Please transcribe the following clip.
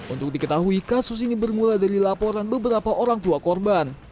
untuk diketahui kasus ini bermula dari laporan beberapa orang tua korban